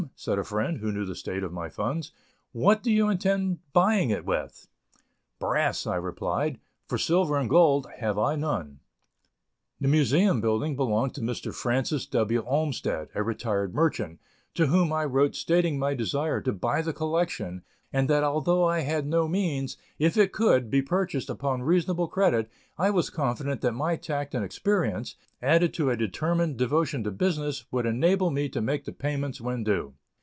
said a friend, who knew the state of my funds, "what do you intend buying it with?" "Brass," I replied, "for silver and gold have I none." The Museum building belonged to Mr. Francis W. Olmsted, a retired merchant, to whom I wrote stating my desire to buy the collection, and that although I had no means, if it could, be purchased upon reasonable credit, I was confident that my tact and experience, added to a determined devotion to business, would enable me to make the payments when due.